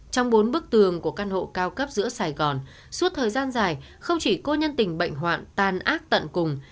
trong bốn bức tường của căn hộ cao cấp giữa sài gòn suốt thời gian dài không chỉ cô nhân tình bệnh hoạn tan ác tận cùng